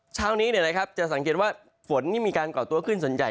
เช้านี้จะสังเกตว่าฝนนี่มีการก่อตัวขึ้นส่วนใหญ่